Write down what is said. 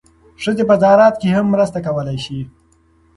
ښځې په زراعت کې هم مرسته کولی شي.